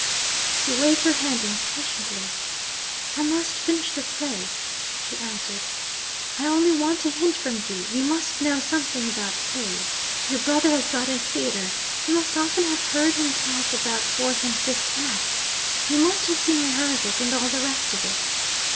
She waved her hand impatiently. 'I must finish the play,' she answered. 'I only want a hint from you. You must know something about plays. Your brother has got a theatre. You must often have heard him talk about fourth and fifth acts you must have seen rehearsals, and all the rest of it.'